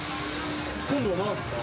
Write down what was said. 今度はなんですか？